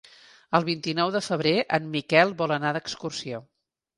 El vint-i-nou de febrer en Miquel vol anar d'excursió.